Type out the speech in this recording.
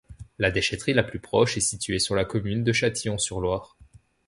La déchèterie la plus proche est située sur la commune de Châtillon-sur-Loire.